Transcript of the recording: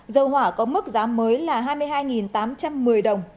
dầu hỏa có mức giá mới là hai mươi hai tám trăm một mươi đồng